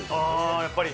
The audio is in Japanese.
あやっぱり。